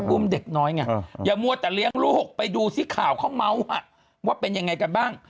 อุ้มเด็กน้อยไงอย่ามัวแต่เลี้ยงลูกไปดูซิข่าวเขาเมาส์ว่าเป็นยังไงกันบ้าง